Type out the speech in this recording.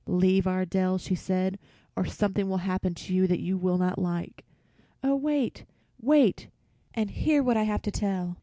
"Leave our dell," she said, "or something will happen to you that you will not like." "Oh, wait, wait and hear what I have to tell!"